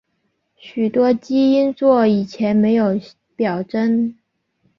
许多基因座以前没有表征。